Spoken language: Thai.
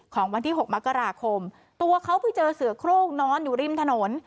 ของวันที่๖มกราคมตัวเขาไปเจอเสือโครงนอนอยู่ริมถนน